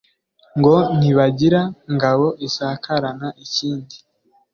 ngo ntibagira ngabo isakarana inkindi